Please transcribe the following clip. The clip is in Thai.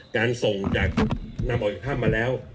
การส่งจากนำออกจากถ้ำมาแล้ว